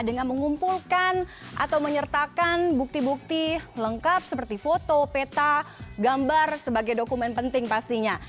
dengan mengumpulkan atau menyertakan bukti bukti lengkap seperti foto peta gambar sebagai dokumen penting pastinya